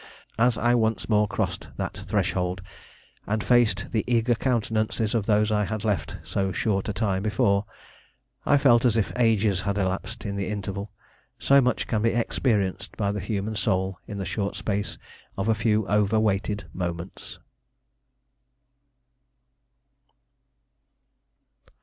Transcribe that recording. As I once more crossed that threshold, and faced the eager countenances of those I had left so short a time before, I felt as if ages had elapsed in the interval; so much can be experienced by the human soul in the short space of a few over weighted moments.